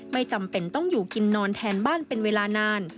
ไม่จำเป็นต้องอยู่กินนอนแทนบ้านเป็นเวลานาน